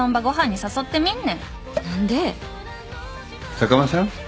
坂間さん。